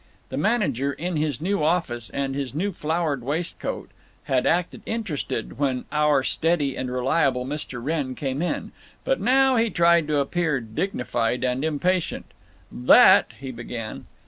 The manager, in his new office and his new flowered waistcoat, had acted interested when Our steady and reliable Mr. Wrenn came in. But now he tried to appear dignified and impatient. "That—" he began.